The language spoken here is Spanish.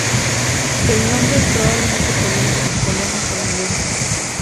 El nombre probablemente proviene de los colonos holandeses.